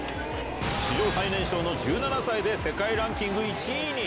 史上最年少の１７歳で世界ランキング１位に。